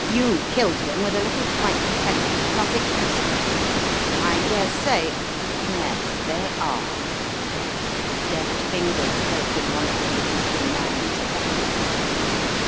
"You killed him with a little white pellet of prussic acid. I daresay — yes — they are " His deft fingers felt in one of the resisting man's pockets.